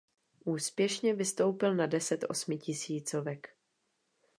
Úspěšně vystoupil na deset osmitisícovek.